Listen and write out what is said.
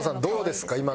どうですか？